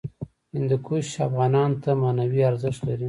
هندوکش افغانانو ته معنوي ارزښت لري.